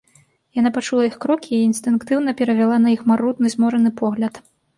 Яна пачула іх крокі і інстынктыўна перавяла на іх марудны, змораны погляд.